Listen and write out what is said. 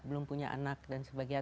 belum punya anak dan sebagainya